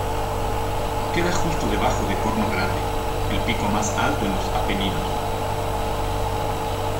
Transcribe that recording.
Queda justo debajo de Corno Grande, el pico más alto en los Apeninos.